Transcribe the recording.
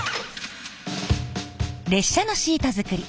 列車のシート作り